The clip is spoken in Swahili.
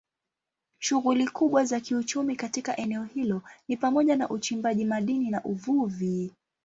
Shughuli kubwa za kiuchumi katika eneo hilo ni pamoja na uchimbaji madini na uvuvi.